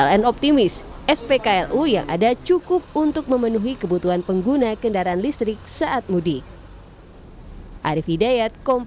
ln optimis spklu yang ada cukup untuk memenuhi kebutuhan pengguna kendaraan listrik saat mudik